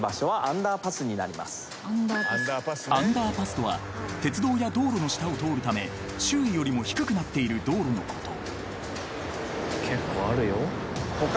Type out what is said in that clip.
［アンダーパスとは鉄道や道路の下を通るため周囲よりも低くなっている道路のこと］